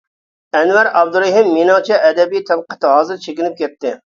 ئەنۋەر ئابدۇرېھىم:مېنىڭچە، ئەدەبىي تەنقىد ھازىر چېكىنىپ كەتتى.